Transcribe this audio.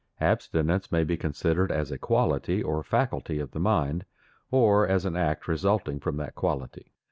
_ Abstinence may be considered as a quality, or faculty, of the mind, or as an act resulting from that quality.